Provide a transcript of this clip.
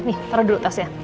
nih taruh dulu tasnya